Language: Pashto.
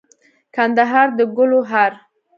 کندهار دګلو هار